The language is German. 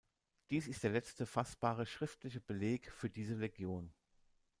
Dies ist der letzte fassbare schriftliche Beleg für diese Legion.